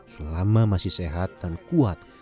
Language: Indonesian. selama masih sehat dan kuat